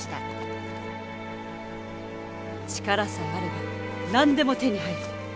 力さえあれば何でも手に入る！